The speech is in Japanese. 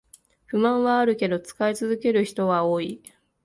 不満はあるけど使い続ける人は多い